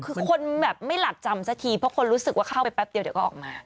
คือคนแบบไม่หลับจำสักทีเพราะคนรู้สึกว่าเข้าไปแป๊บเดียวเดี๋ยวก็ออกมา